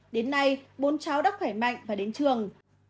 đến nay bốn cháu đã khỏe mạnh và đến trường